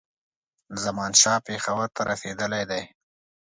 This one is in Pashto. زمانشاه پېښور ته رسېدلی دی.